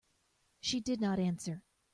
She did not answer.